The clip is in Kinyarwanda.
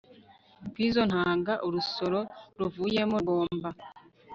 kw'izo ntanga, urusoro ruvuyemo rugomba